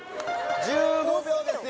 １５秒ですよ